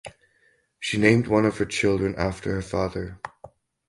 She named one of her children after her father.